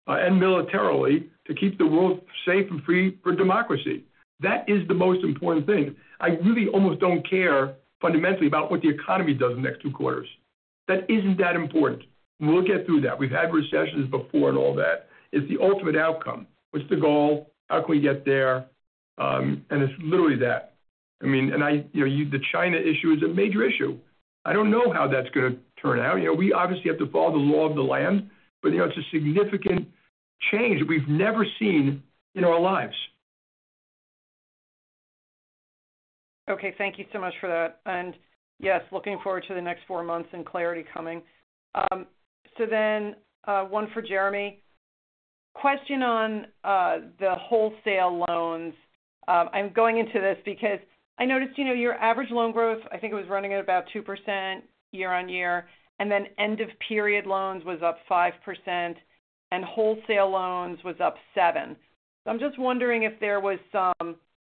and militarily to keep the world safe and free for democracy. That is the most important thing. I really almost do not care fundamentally about what the economy does in the next two quarters. That is not that important. We will get through that. We've had recessions before and all that. It's the ultimate outcome. What's the goal? How can we get there? It's literally that. I mean, and the China issue is a major issue. I don't know how that's going to turn out. We obviously have to follow the law of the land. It's a significant change that we've never seen in our lives. Okay. Thank you so much for that. Yes, looking forward to the next four months and clarity coming. One for Jeremy. Question on the wholesale loans. I'm going into this because I noticed your average loan growth, I think it was running at about 2% year on year. End-of-period loans was up 5%. Wholesale loans was up 7%. I'm just wondering if there was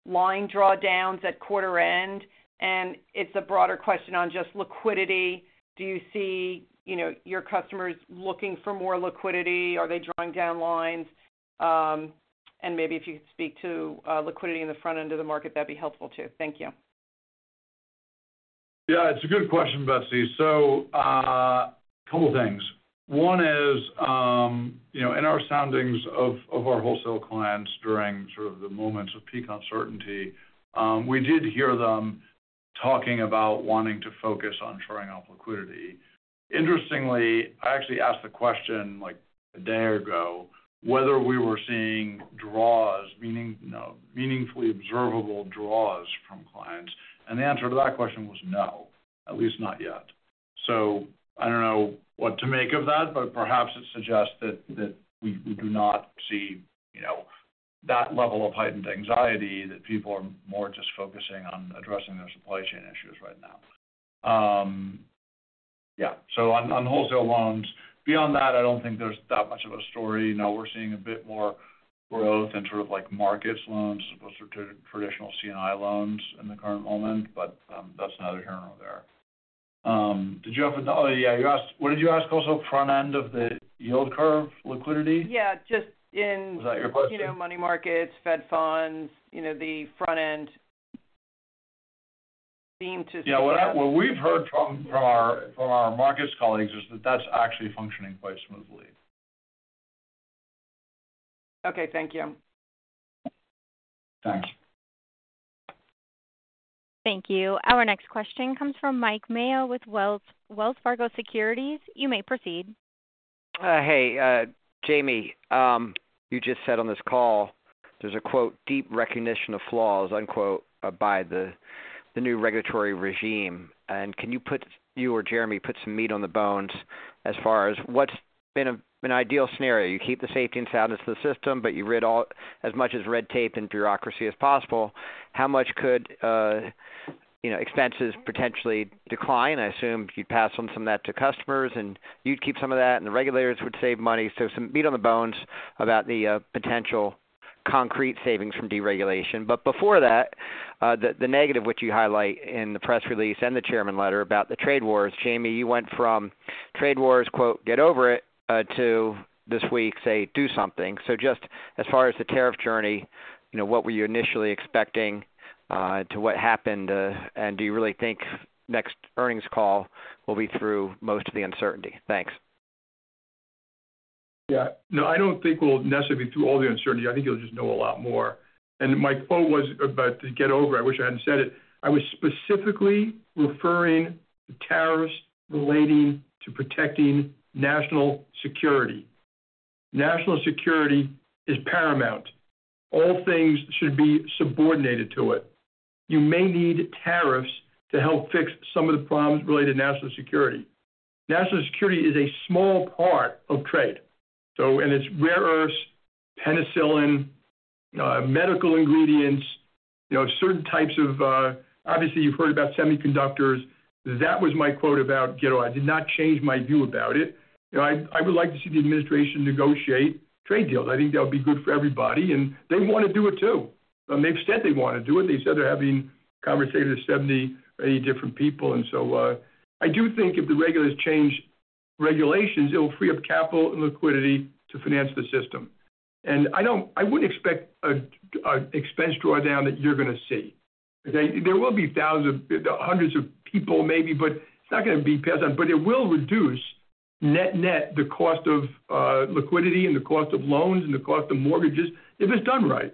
some line drawdowns at quarter end. It's a broader question on just liquidity. Do you see your customers looking for more liquidity? Are they drawing down lines? If you could speak to liquidity in the front end of the market, that would be helpful too. Thank you. Yeah. It's a good question, Betsy. A couple of things. One is in our soundings of our wholesale clients during sort of the moments of peak uncertainty, we did hear them talking about wanting to focus on shoring up liquidity. Interestingly, I actually asked the question a day ago whether we were seeing draws, meaning meaningfully observable draws from clients. The answer to that question was no, at least not yet. I do not know what to make of that, but perhaps it suggests that we do not see that level of heightened anxiety, that people are more just focusing on addressing their supply chain issues right now. Yeah. On wholesale loans, beyond that, I do not think there is that much of a story. We are seeing a bit more growth in sort of markets loans as opposed to traditional C&I loans in the current moment. That is neither here nor there. Did you have another? Yeah. What did you ask also? Front end of the yield curve liquidity? Yeah. Just in. Was that your question? Money markets, Fed funds, the front end seemed to. Yeah. What we have heard from our markets colleagues is that that is actually functioning quite smoothly. Okay. Thank you. Thanks. Thank you. Our next question comes from Mike Mayo with Wells Fargo Securities. You may proceed. Hey, Jamie. You just said on this call, there is a quote, "Deep recognition of flaws" by the new regulatory regime. Can you put you or Jeremy put some meat on the bones as far as what has been an ideal scenario? You keep the safety and soundness of the system, but you rid as much as red tape and bureaucracy as possible. How much could expenses potentially decline? I assume you'd pass on some of that to customers, and you'd keep some of that, and the regulators would save money. Give some meat on the bones about the potential concrete savings from deregulation. Before that, the negative which you highlight in the press release and the Chairman letter about the trade wars, Jamie, you went from trade wars, "Get over it," to this week, say, "Do something." Just as far as the tariff journey, what were you initially expecting to what happened? Do you really think next earnings call will be through most of the uncertainty? Thanks. Yeah. No, I don't think we'll necessarily be through all the uncertainty. I think you'll just know a lot more. My quote was about to get over. I wish I hadn't said it. I was specifically referring to tariffs relating to protecting national security. National security is paramount. All things should be subordinated to it. You may need tariffs to help fix some of the problems related to national security. National security is a small part of trade. It is rare earths, penicillin, medical ingredients, certain types of, obviously, you've heard about semiconductors. That was my quote about Gito. I did not change my view about it. I would like to see the administration negotiate trade deals. I think that would be good for everybody. They want to do it too. They've said they want to do it. They said they're having conversations with 70 or 80 different people. I do think if the regulators change regulations, it will free up capital and liquidity to finance the system. I would not expect an expense drawdown that you're going to see. There will be hundreds of people maybe, but it's not going to be passed on. It will reduce net-net the cost of liquidity and the cost of loans and the cost of mortgages if it's done right.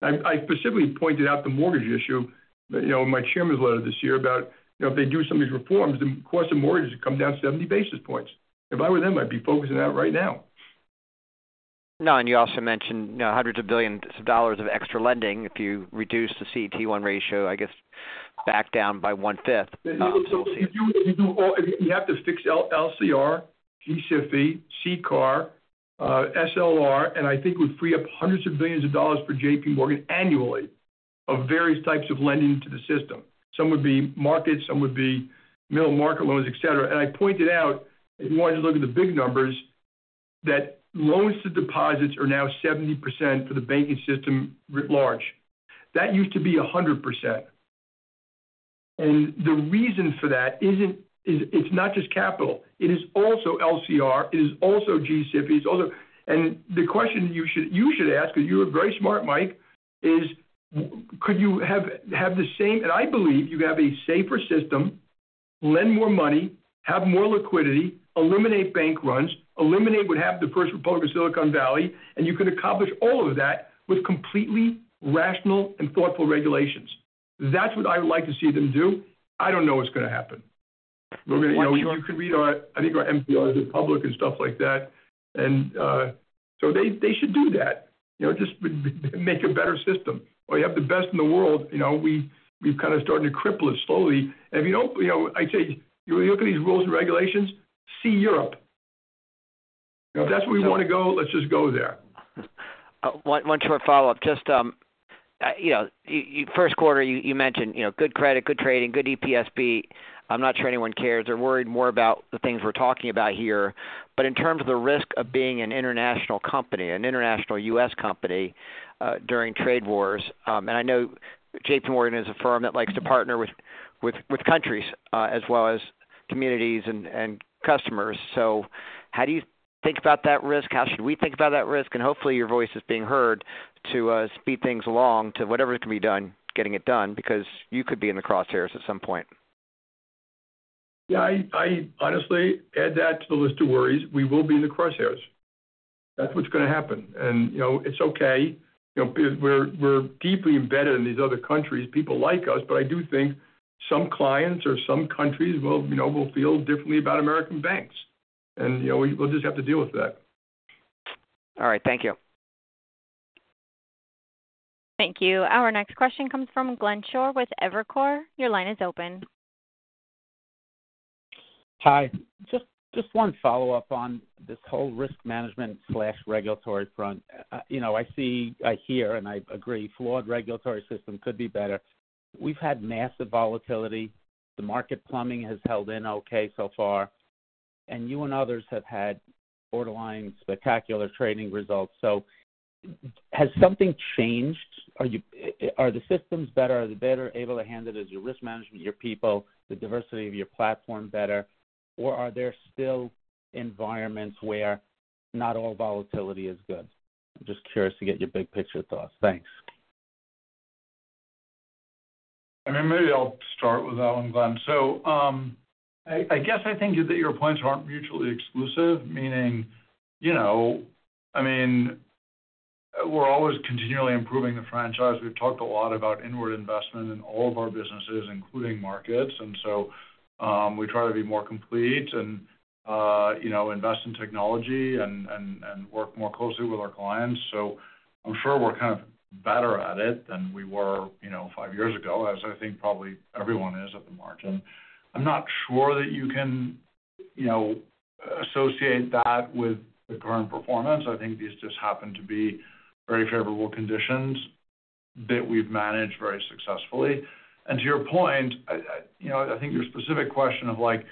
I specifically pointed out the mortgage issue in my chairman's letter this year about if they do some of these reforms, the cost of mortgages would come down 70 basis points. If I were them, I'd be focusing on that right now. No, and you also mentioned hundreds of billions of dollars of extra lending if you reduce the CET1 ratio, I guess, back down by one-fifth. You have to fix LCR, SLR, and CCAR, and I think would free up hundreds of billions of dollars for JPMorgan annually of various types of lending to the system. Some would be markets. Some would be middle market loans, etc. I pointed out, if you wanted to look at the big numbers, that loans to deposits are now 70% for the banking system writ large. That used to be 100%. The reason for that is not just capital. It is also LCR. It is also SLR. The question you should ask, because you're a very smart Mike, is could you have the same? I believe you could have a safer system, lend more money, have more liquidity, eliminate bank runs, eliminate what happened to First Republic or Silicon Valley, and you could accomplish all of that with completely rational and thoughtful regulations. That's what I would like to see them do. I don't know what's going to happen. You can read our, I think our MPRs are public and stuff like that. They should do that. Just make a better system. We have the best in the world. We've kind of started to cripple it slowly. If you don't, I'd say you look at these rules and regulations, see Europe. If that's where you want to go, let's just go there. One short follow-up. Just first quarter, you mentioned good credit, good trading, good EPSB. I'm not sure anyone cares. They're worried more about the things we're talking about here. In terms of the risk of being an international company, an international U.S. company during trade wars, and I know JPMorgan is a firm that likes to partner with countries as well as communities and customers. How do you think about that risk? How should we think about that risk? Hopefully, your voice is being heard to speed things along to whatever can be done, getting it done, because you could be in the crosshairs at some point. Yeah. I honestly add that to the list of worries. We will be in the crosshairs. That's what's going to happen. It's okay. We're deeply embedded in these other countries, people like us. I do think some clients or some countries will feel differently about American banks. We'll just have to deal with that. All right. Thank you. Thank you. Our next question comes from Glenn Schorr with Evercore. Your line is open. Hi. Just one follow-up on this whole risk management/regulatory front. I hear, and I agree, flawed regulatory system could be better. We've had massive volatility. The market plumbing has held in okay so far. You and others have had borderline spectacular trading results. Has something changed? Are the systems better? Are they better able to handle it as your risk management, your people, the diversity of your platform better? Are there still environments where not all volatility is good? I'm just curious to get your big picture thoughts. Thanks. I mean, maybe I'll start with that one, Glenn. I guess I think that your points aren't mutually exclusive, meaning we're always continually improving the franchise. We've talked a lot about inward investment in all of our businesses, including markets. We try to be more complete and invest in technology and work more closely with our clients. I'm sure we're kind of better at it than we were five years ago, as I think probably everyone is at the margin. I'm not sure that you can associate that with the current performance. I think these just happen to be very favorable conditions that we've managed very successfully. To your point, I think your specific question of like,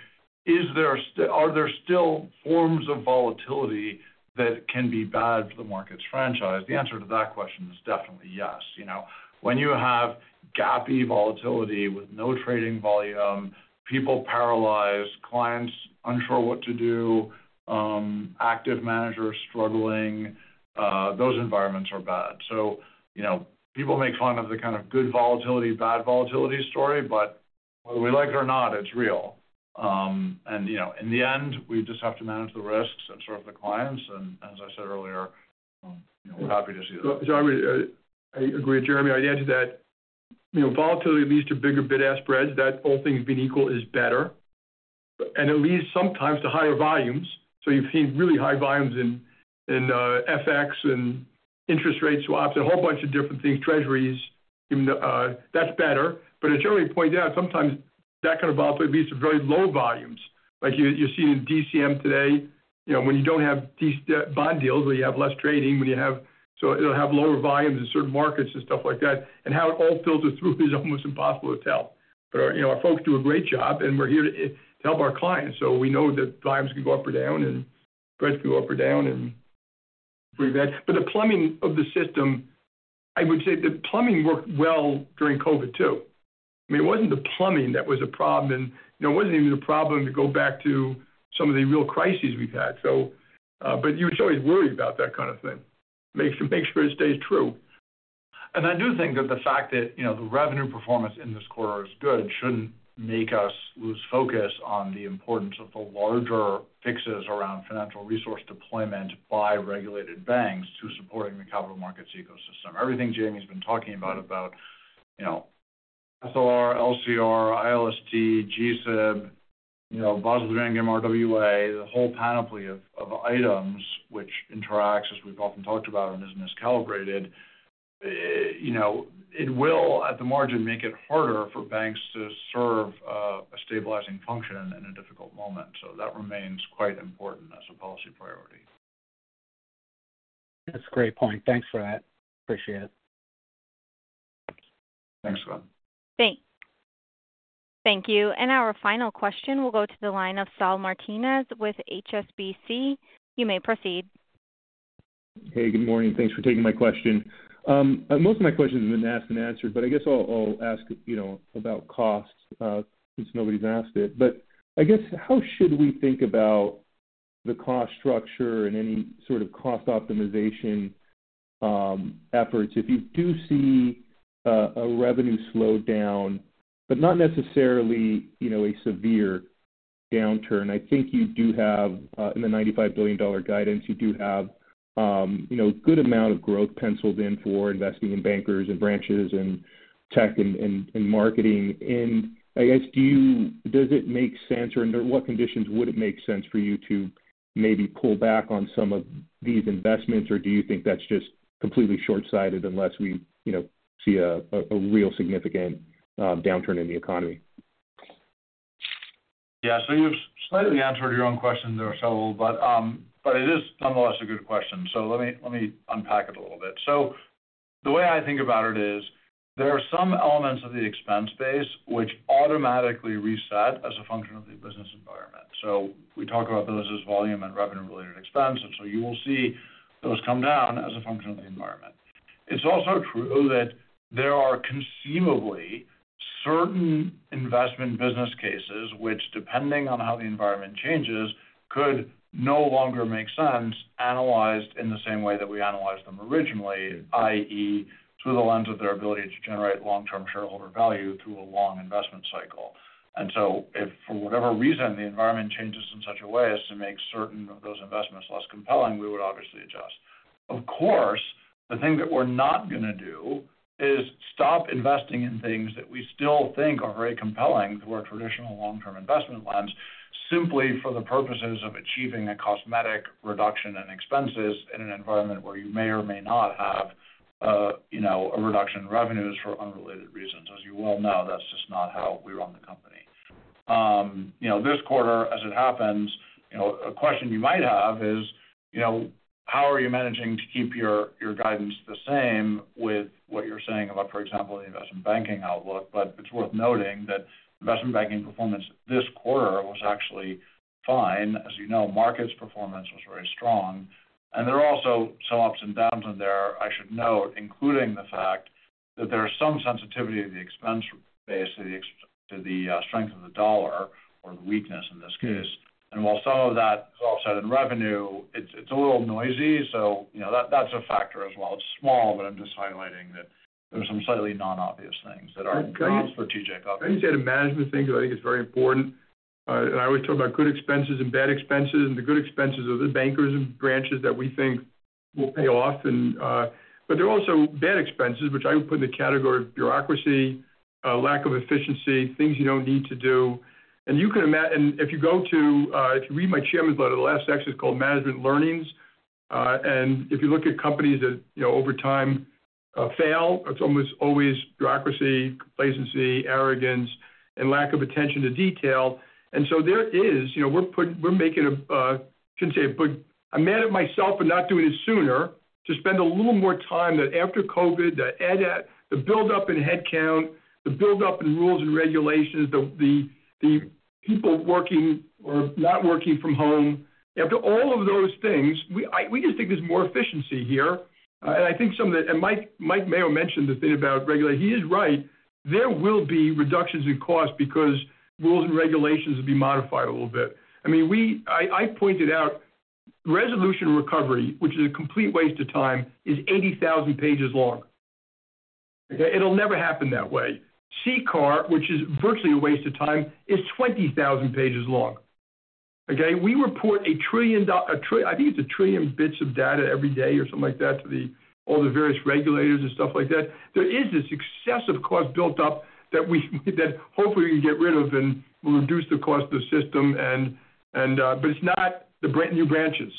are there still forms of volatility that can be bad for the markets franchise? The answer to that question is definitely yes. When you have gapy volatility with no trading volume, people paralyzed, clients unsure what to do, active managers struggling, those environments are bad. People make fun of the kind of good volatility, bad volatility story. Whether we like it or not, it's real. In the end, we just have to manage the risks and serve the clients. As I said earlier, we're happy to see that. I agree with Jeremy. I'd add to that volatility leads to bigger bid-ask spreads. That whole thing of being equal is better. It leads sometimes to higher volumes. You've seen really high volumes in FX and interest rate swaps and a whole bunch of different things, treasuries. That's better. As Jeremy pointed out, sometimes that kind of volatility leads to very low volumes, like you're seeing in DCM today, when you don't have bond deals, when you have less trading, so it'll have lower volumes in certain markets and stuff like that. How it all filters through is almost impossible to tell. Our folks do a great job, and we're here to help our clients. We know that volumes can go up or down, and spreads can go up or down, but the plumbing of the system, I would say the plumbing worked well during COVID too. I mean, it was not the plumbing that was a problem. It was not even a problem to go back to some of the real crises we have had. You should always worry about that kind of thing. Make sure it stays true. I do think that the fact that the revenue performance in this quarter is good should not make us lose focus on the importance of the larger fixes around financial resource deployment by regulated banks to supporting the capital markets ecosystem. Everything Jamie's been talking about, about SLR, LCR, ILST, GCIB, Basel's random MRWA, the whole panoply of items which interacts, as we've often talked about, and is miscalibrated, it will, at the margin, make it harder for banks to serve a stabilizing function in a difficult moment. That remains quite important as a policy priority. That's a great point. Thanks for that. Appreciate it. Thanks, Glenn. Thanks. Thank you. Our final question will go to the line of Saul Martinez with HSBC. You may proceed. Hey, good morning. Thanks for taking my question. Most of my questions have been asked and answered, but I guess I'll ask about cost since nobody's asked it. I guess how should we think about the cost structure and any sort of cost optimization efforts if you do see a revenue slowdown, but not necessarily a severe downturn? I think you do have, in the $95 billion guidance, you do have a good amount of growth penciled in for investing in bankers and branches and tech and marketing. I guess, does it make sense? Or under what conditions would it make sense for you to maybe pull back on some of these investments? Do you think that's just completely shortsighted unless we see a real significant downturn in the economy? Yeah. You have slightly answered your own question, Darryl Shaw, but it is nonetheless a good question. Let me unpack it a little bit. The way I think about it is there are some elements of the expense base which automatically reset as a function of the business environment. We talk about those as volume and revenue-related expense. You will see those come down as a function of the environment. Is also true that there are conceivably certain investment business cases which, depending on how the environment changes, could no longer make sense analyzed in the same way that we analyzed them originally, i.e., through the lens of their ability to generate long-term shareholder value through a long investment cycle. If for whatever reason the environment changes in such a way as to make certain of those investments less compelling, we would obviously adjust. Of course, the thing that we are not going to do is stop investing in things that we still think are very compelling through our traditional long-term investment lens simply for the purposes of achieving a cosmetic reduction in expenses in an environment where you may or may not have a reduction in revenues for unrelated reasons. As you well know, that is just not how we run the company. This quarter, as it happens, a question you might have is, how are you managing to keep your guidance the same with what you're saying about, for example, the investment banking outlook? It is worth noting that investment banking performance this quarter was actually fine. As you know, markets performance was very strong. There are also some ups and downs in there, I should note, including the fact that there is some sensitivity to the expense base to the strength of the dollar or the weakness in this case. While some of that is offset in revenue, it is a little noisy. That is a factor as well. It is small, but I am just highlighting that there are some slightly non-obvious things that are not strategic obviously. I would say the management things, I think, is very important. I always talk about good expenses and bad expenses. The good expenses are the bankers and branches that we think will pay off. There are also bad expenses, which I would put in the category of bureaucracy, lack of efficiency, things you do not need to do. If you read my chairman's letter, the last section is called management learnings. If you look at companies that over time fail, it is almost always bureaucracy, complacency, arrogance, and lack of attention to detail. There is—we are making a—I should not say a big—I made it myself and not doing it sooner—to spend a little more time that after COVID, the build-up in headcount, the build-up in rules and regulations, the people working or not working from home, after all of those things, we just think there is more efficiency here. I think some of the, and Mike Mayo mentioned the thing about regulation. He is right. There will be reductions in cost because rules and regulations will be modified a little bit. I mean, I pointed out resolution recovery, which is a complete waste of time, is 80,000 pages long. It'll never happen that way. CCAR, which is virtually a waste of time, is 20,000 pages long. Okay? We report a trillion, I think it's a trillion bits of data every day or something like that to all the various regulators and stuff like that. There is this excessive cost built up that hopefully we can get rid of and reduce the cost of the system. It's not the new branches.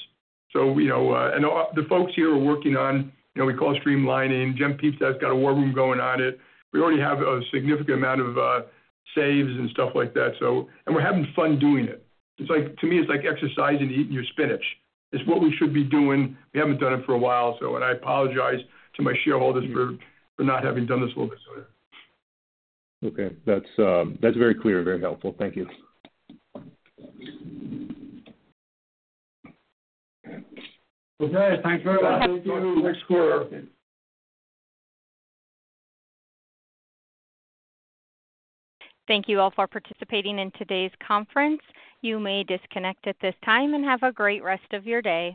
The folks here are working on, we call it streamlining. Jemp Pepys has got a war room going on it. We already have a significant amount of saves and stuff like that. We are having fun doing it. To me, it's like exercising and eating your spinach. It's what we should be doing. We haven't done it for a while. I apologize to my shareholders for not having done this a little bit sooner. That is very clear and very helpful. Thank you. Thank you. Thank you. Next quarter. Thank you all for participating in today's conference. You may disconnect at this time and have a great rest of your day.